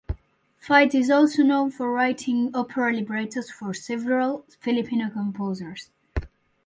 Fides is also known for writing opera librettos for several Filipino composers.